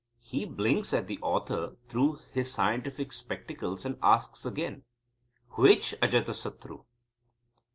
He blinks at the author through his scientific spectacles, and asks again: "Which Ajatasatru?"